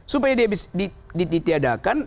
supaya dia bisa ditiadakan